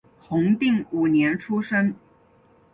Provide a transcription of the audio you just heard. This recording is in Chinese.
弘定五年出生。